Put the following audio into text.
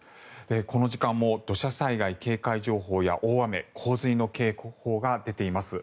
この時間も土砂災害警戒情報や大雨・洪水の警報が出ています。